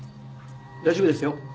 大丈夫ですよ。